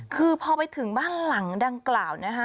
คือพอไปถึงบ้านหลังดังกล่าวนะคะ